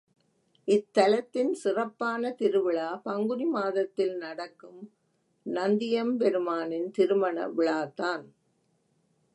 இத்தலத்தின் சிறப்பான திருவிழா பங்குனி மாதத்தில் நடக்கும் நந்தியம் பெருமானின் திருமண விழாதான்.